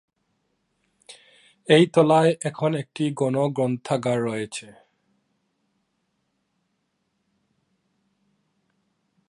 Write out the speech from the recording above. এই তলায় এখন একটি গণ গ্রন্থাগার রয়েছে।